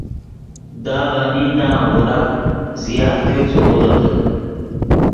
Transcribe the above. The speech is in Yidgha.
دا ڤے میندا ام غورا زیات کہ چے غوریتے